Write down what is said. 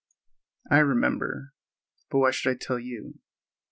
I remember—but why should I tell you?